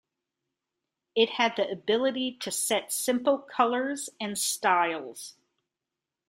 It had the ability to set simple colours and styles.